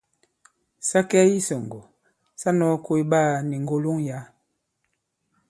Sa kɛ i isɔ̀ŋgɔ̀ sa nɔ̄ɔ koy ɓaā ni ŋgòloŋ yǎ.